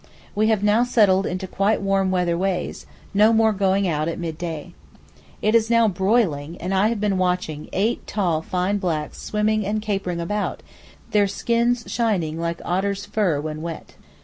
We have now settled into quite warm weather ways, no more going out at mid day. It is now broiling, and I have been watching eight tall fine blacks swimming and capering about, their skins shining like otters' fur when wet.